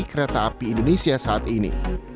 kereta api indonesia saat ini